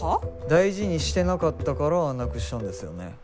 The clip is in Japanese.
大事にしてなかったからなくしちゃうんですよね。